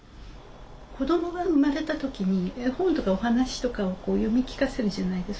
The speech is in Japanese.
子どもが生まれた時に絵本とかお話とかをこう読み聞かせるじゃないですか。